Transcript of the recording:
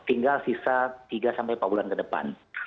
tinggal sisa tiga sampai empat bulan ke depan